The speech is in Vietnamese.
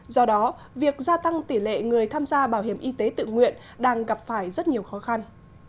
do đó việc gia tăng tỷ lệ người tham gia bảo hiểm y tế tự nguyện đang gặp phải rất nhiều khó khăn